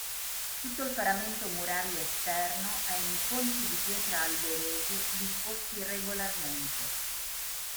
Tutto il paramento murario esterno è in conci di pietra alberese disposti regolarmente.